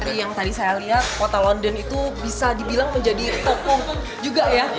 seperti yang tadi saya lihat kota london itu bisa dibilang menjadi toko juga ya